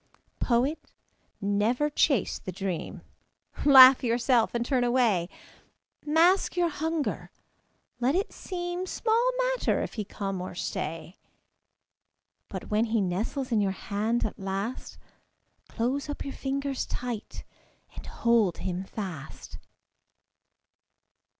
Poet, never chase the dream. Laugh yourself and turn away. Mask your hunger; let it seem Small matter if he come or stay; But when he nestles in your hand at last, Close up your fingers tight and hold him fast.